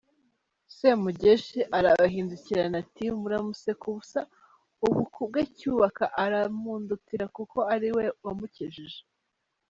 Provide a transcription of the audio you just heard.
Semugeshi arabahindukirana ati "Muramuseka ubusa, ubu ku bwe Cyubaka aramundutira kuko ari we wamukijije.